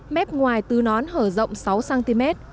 mép ngoài tư nón hở rộng sáu cm